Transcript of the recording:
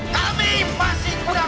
kami masih kurang yakin